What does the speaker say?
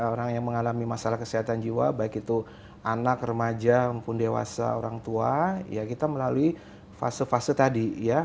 orang yang mengalami masalah kesehatan jiwa baik itu anak remaja maupun dewasa orang tua ya kita melalui fase fase tadi ya